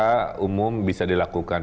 mungkin di sini juga bisa dilakukan